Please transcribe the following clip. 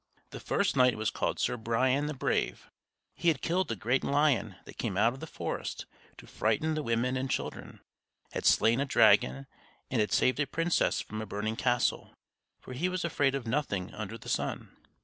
The first knight was called Sir Brian the Brave. He had killed the great lion that came out of the forest to frighten the women and children, had slain a dragon, and had saved a princess from a burning castle; for he was afraid of nothing under the sun.